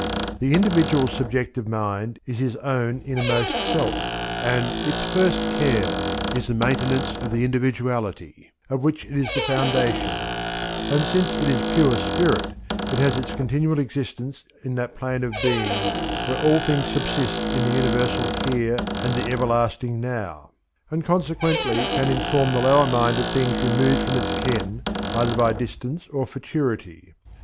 The individual's subjective mind is his own innermost self, and its first care is the maintenance of the individuality of which it is the foundation; and since it is pure spirit it has its continual existence in that plane of being where all things subsist in the universal here and the everlasting now, and consequently can, inform the lower mind of things removed from its ken either by distance or futurity.